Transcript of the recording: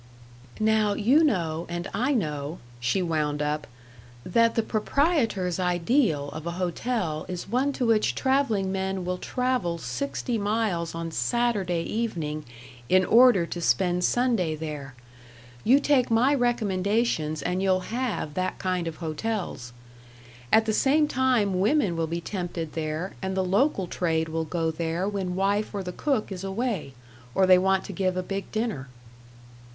"Now you know, and I know," she wound up, "that the proprietor's ideal of a hotel is one to which traveling men will travel sixty miles on Saturday evening, in order to spend Sunday there. You take my recommendations and you'll have that kind of hotels. At the same time women will be tempted there and the local trade will go there when wife or the cook is away, or they want to give a big dinner."